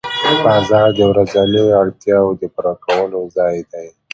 بازار د ورځنیو اړتیاوو د پوره کولو ځای دی